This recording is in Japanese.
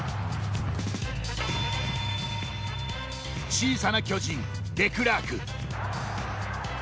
小さな巨人、デクラーク。